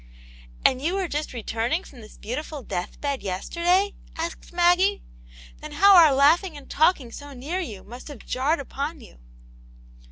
*' And you were just returning from this beautiful death bed yesterday ?" asked Maggie. "Then how our laughing and talking so near you must have jarred upon you!"